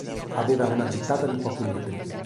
Aveva una gittata di pochi metri.